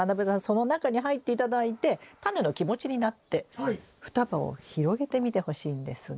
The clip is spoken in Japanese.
その中に入って頂いてタネの気持ちになって双葉を広げてみてほしいんですが。